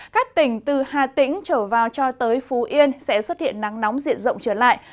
các tỉnh từ hà tĩnh trở vào cho tới phú yên sẽ xuất hiện nắng nóng diện rộng trở lại